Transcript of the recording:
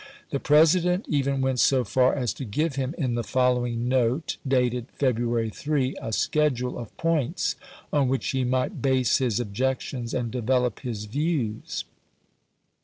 The President even went so far as to give him, in the following note, dated February 3, a schedule of points on which he might base his objections and develop his views.